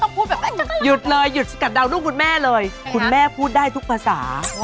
พูดแบบหยุดเลยหยุดสกัดดาวลูกคุณแม่เลยคุณแม่พูดได้ทุกภาษา